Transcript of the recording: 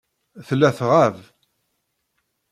Tella tɣab.